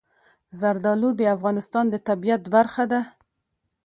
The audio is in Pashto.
زردالو د افغانستان د طبیعت برخه ده.